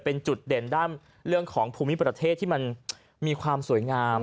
เป็นจุดเด่นด้านเรื่องของภูมิประเทศที่มันมีความสวยงาม